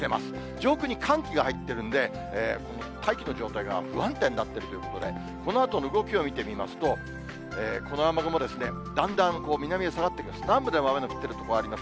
上空に寒気が入ってるんで、大気の状態が不安定になっているということで、このあとの動きを見てみますと、この雨雲、だんだん南へ下がってくるんです。